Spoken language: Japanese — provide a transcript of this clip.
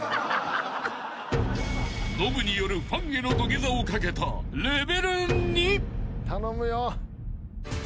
［ノブによるファンへの土下座をかけたレベル２］頼むよ。